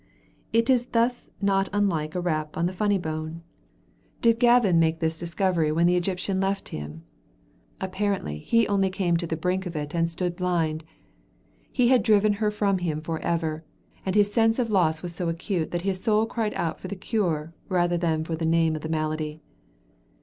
It is thus not unlike a rap on the funny bone. Did Gavin make this discovery when the Egyptian left him? Apparently he only came to the brink of it and stood blind. He had driven her from him for ever, and his sense of loss was so acute that his soul cried out for the cure rather than for the name of the malady.